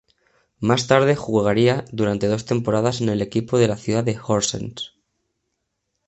Más tarde, jugaría durante dos temporadas en el equipo de la ciudad de Horsens.